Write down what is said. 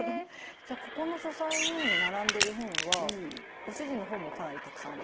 じゃあここの書斎に並んでる本はご主人の本もかなりたくさんある。